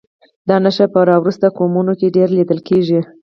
دا نښې په راوروسته قومونو کې ډېرې لیدل کېږي.